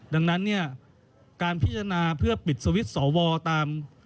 ดังนั้นการพิจารณาเพื่อปิดสวิตเติมสอวรตาม